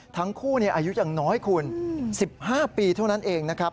ทั้งคู่อายุยังน้อยคุณ๑๕ปีเท่านั้นเองนะครับ